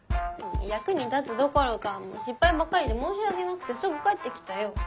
役に立つどころか失敗ばっかりで申し訳なくてすぐ帰って来たよ。